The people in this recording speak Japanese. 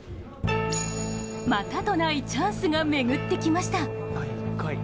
またとないチャンスが巡ってきました。